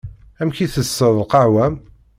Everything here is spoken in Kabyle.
Amek i tsesseḍ lqahwa-m?